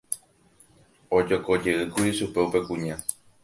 ojokojeýkuri chupe upe kuña